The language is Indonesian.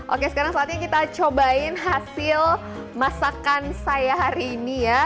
oke sekarang saatnya kita cobain hasil masakan saya hari ini ya